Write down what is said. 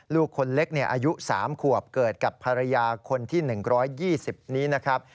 ลูกคนเล็กอายุ๓ขวบเกิดกับภรรยาคนที่๑๒๐นี้นะครับ